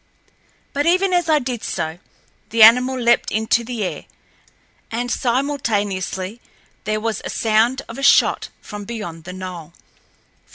But even as I did so the animal leaped into the air, and simultaneously there was a sound of a shot from beyond the knoll.